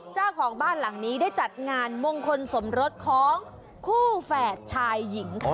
เจ้าของบ้านหลังนี้ได้จัดงานมงคลสมรสของคู่แฝดชายหญิงค่ะ